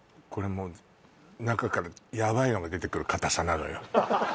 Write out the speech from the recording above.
これもう中からやばいのが出てくるかたさなのよ